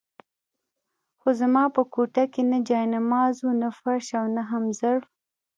خو زما په کوټه کې نه جاینماز وو، نه فرش او نه هم ظرف.